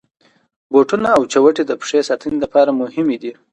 بوټونه او چوټي د پښې ساتني لپاره مهمي دي.